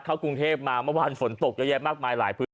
กรุงเทพมาเมื่อวานฝนตกเยอะแยะมากมายหลายพื้นที่